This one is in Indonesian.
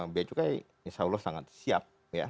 bea dan cukai insya allah sangat siap